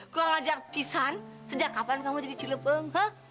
gue ngajak pisan sejak kapan kamu jadi cilepeng ha